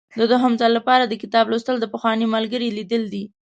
د دوهم ځل لپاره د کتاب لوستل د پخواني ملګري لیدل دي.